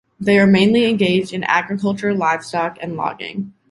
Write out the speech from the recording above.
They are mainly engaged in agriculture, livestock and logging.